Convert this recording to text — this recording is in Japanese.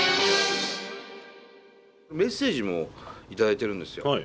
メッセージも頂いてるんですよ。